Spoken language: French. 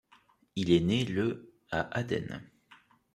Il est né le à Aden.